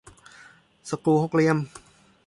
สกรูหกเหลี่ยม